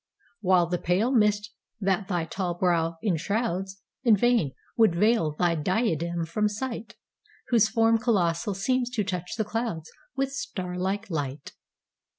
While the pale mist that thy tall brow enshroudsIn vain would veil thy diadem from sight, Whose form colossal seems to touch the cloudsWith starlike light.